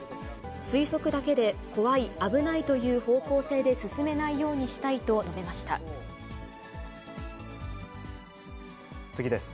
推測だけで怖い、危ないという方向性で進めないようにしたいと述次です。